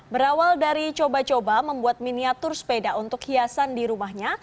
berawal dari coba coba membuat miniatur sepeda untuk hiasan di rumahnya